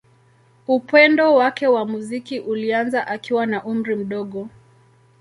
Upendo wake wa muziki ulianza akiwa na umri mdogo.